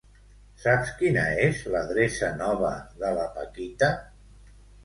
Saps quina és l'adreça nova de la Paquita?